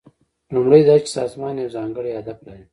لومړی دا چې سازمان یو ځانګړی هدف لري.